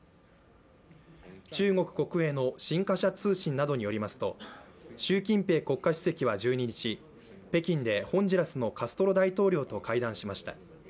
中国国営の新華社通信などによりますと習近平国家主席は１２日、北京でホンジュラスのカストロ大統領と会談しました。